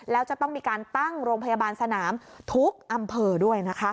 แล้วจะต้องมีการตั้งโรงพยาบาลสนามทุกอำเภอด้วยนะคะ